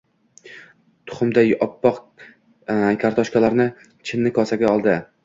— tuxumday oppoq kartoshkalarni chinni kosaga oldi.